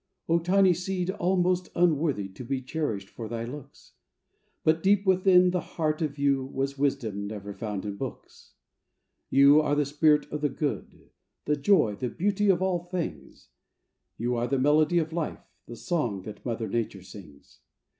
Tiny seed almost unworthy To be cherished for thy looks, But deep within the heart of you Was wisdom never found in books. You are the spirit of the good, The joy, the beauty of all things, You are the melody of life — the song That Mother Nature sings.